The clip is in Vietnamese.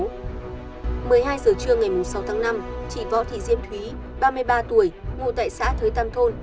một mươi hai giờ trưa ngày sáu tháng năm chị võ thị diêm thúy ba mươi ba tuổi ngụ tại xã thới tam thôn